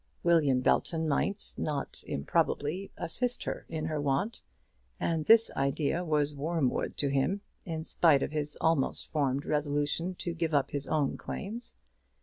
William Belton might, not improbably, assist her in her want, and this idea was wormwood to him in spite of his almost formed resolution to give up his own claims.